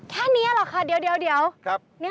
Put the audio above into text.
แค่นี้เหรอครับเดี๋ยวเดี๋ยวครับ